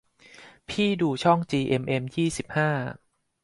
พี่ดูช่องจีเอ็มเอ็มยี่สิบห้า